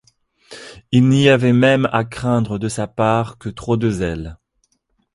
Il n'y avait même à craindre de sa part que trop de zèle.